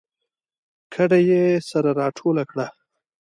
کډه یې سره راټوله کړه